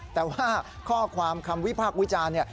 แต่ว่าข้อความคำวิพากษ์วิจารณ์เนี่ย